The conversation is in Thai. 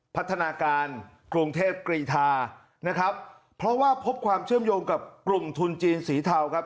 พัฒนาการกรุงเทพกรีธานะครับเพราะว่าพบความเชื่อมโยงกับกลุ่มทุนจีนสีเทาครับ